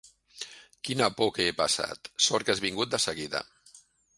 Quina por que he passat!: sort que has vingut de seguida.